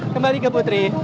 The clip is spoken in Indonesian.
kembali ke putri